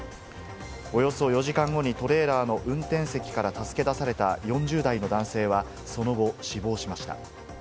およそ４時間後にトレーラーの運転席から助け出された４０代の男性は、その後、死亡しました。